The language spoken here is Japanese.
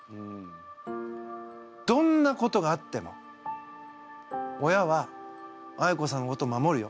どんなことがあっても親はあいこさんのことを守るよ。